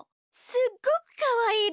すっごくかわいいで。